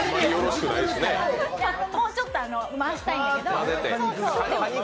ちょっと回したいんだけど。